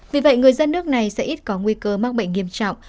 vì vậy người dân nước này sẽ ít có nguy cơ mắc bệnh nghiêm trọng